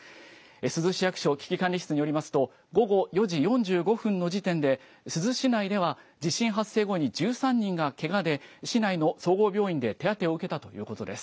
珠洲市役所危機管理室によりますと午後４時４５分の時点で珠洲市内では地震発生後に１３人がけがで市内の総合病院で手当てを受けたということです。